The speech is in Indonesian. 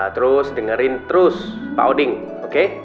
terus dengerin terus pak odin oke